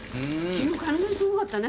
昨日雷すごかったね。